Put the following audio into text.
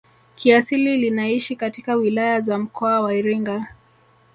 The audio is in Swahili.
Kiasili linaishi katika wilaya za mkoa wa Iringa